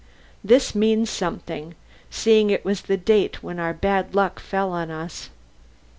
This means something, seeing it was the date when our bad luck fell on us."